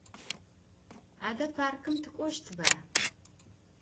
Ade parkım tık'oştba?